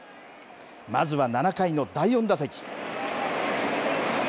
まずは７回の第４打席。